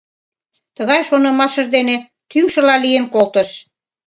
Тыгай шонымашыж дене тӱҥшыла лийын колтыш.